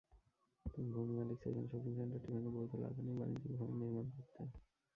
ভূমি মালিক চাইছেন শপিং সেন্টারটি ভেঙে বহুতল আধুনিক বাণিজ্যিক ভবন নির্মাণ করতে।